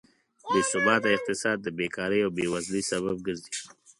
بېثباته اقتصاد د بېکارۍ او بېوزلۍ سبب ګرځي.